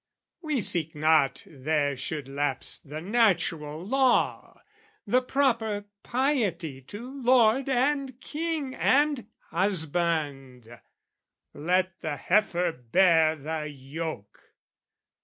We seek not there should lapse the natural law, The proper piety to lord and king And husband: let the heifer bear the yoke!